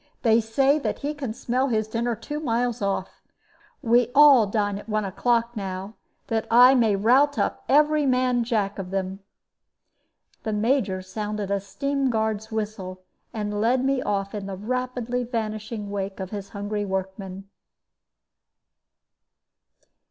They say that he can smell his dinner two miles off. We all dine at one o'clock now, that I may rout up every man Jack of them." The Major sounded a steam guard's whistle, and led me off in the rapidly vanishing wake of his hungry workmen.